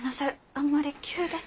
あんまり急で。